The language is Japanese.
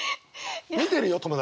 見てるよ友達。